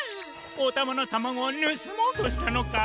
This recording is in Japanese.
おたまのタマゴをぬすもうとしたのか？